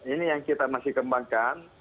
ini yang kita masih kembangkan